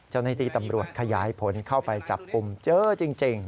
เจ้าหน้าที่ตำรวจขยายผลเข้าไปจับกลุ่มเจอจริง